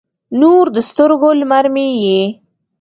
نور د سترګو، لمر مې یې